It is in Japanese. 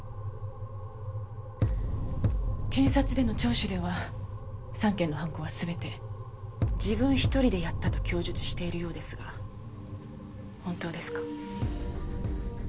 検察での聴取では３件の犯行は全て自分一人でやったと供述しているようですが本当ですか？